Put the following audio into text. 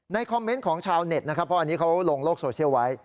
คอมเมนต์ของชาวเน็ตนะครับเพราะอันนี้เขาลงโลกโซเชียลไว้